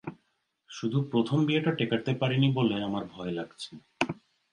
শুধু প্রথম বিয়েটা টেকাতে পারিনি বলে আমার ভয় লাগছে।